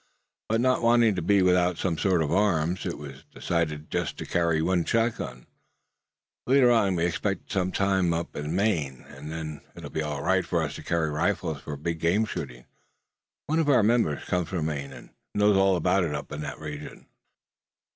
But not wanting to be without some sort of arms, it was decided to carry just one shotgun. Later on we expect to spend some time up in Maine; and then it'll be all right for us to carry rifles for big game shooting. One of our members comes from Maine, and knows all about it up in that region."